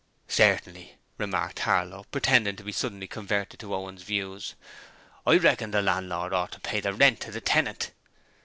'Certainly,' remarked Harlow, pretending to be suddenly converted to Owen's views, 'I reckon the landlord ought to pay the rent to the tenant!'